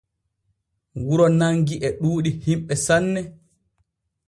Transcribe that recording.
Wuro Nangi e ɗuuɗi himɓe sanne.